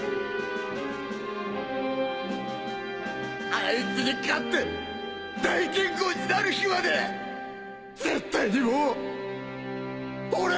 あいつに勝って大剣豪になる日まで絶対にもう俺は負けねえ！